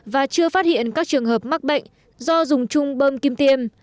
và chưa phát hiện các trường hợp mắc bệnh do dùng chung bơm kim tiêm